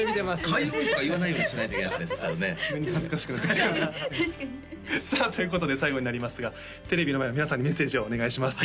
確かにさあということで最後になりますがテレビの前の皆さんにメッセージをお願いします